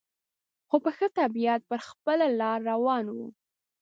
خو په ښه طبیعت پر خپله لار روان و.